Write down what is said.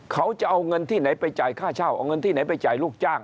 เขาจะเอาเงินที่ไหนไปจ่ายค่าเช่าเอาเงินที่ไหนไปจ่ายลูกจ้าง